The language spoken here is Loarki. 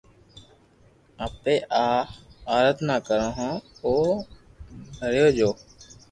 اپي آ اردنا ڪرو ھون او پرڀو جو